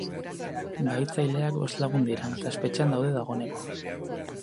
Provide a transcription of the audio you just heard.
Bahitzaileak bost lagun dira, eta espetxean daude dagoeneko.